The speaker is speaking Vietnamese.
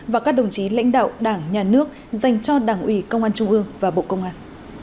và các đồng chí lãnh đạo đảng nhà nước dành cho đảng ủy công an trung ương và bộ công an